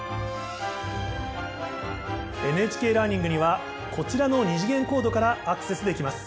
ＮＨＫラーニングにはこちらの二次元コードからアクセスできます。